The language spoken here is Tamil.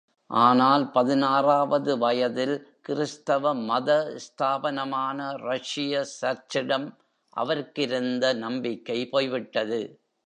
ஆனால், பதினாறாவது வயதில் கிறிஸ்தவ மத ஸ்தாபனமான ரஷ்ய சர்ச்சிடம் அவருக்கிருந்த நம்பிக்கை போய்விட்டது.